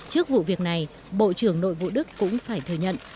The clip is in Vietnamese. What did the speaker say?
trước vụ việc này bộ trưởng nội vụ đức cũng phải thừa nhận